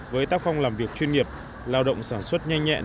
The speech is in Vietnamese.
với tác phong làm việc chuyên nghiệp lao động sản xuất nhanh nhẹn